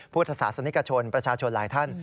พุทธศาสนิกชนประชาชนหลายท่าน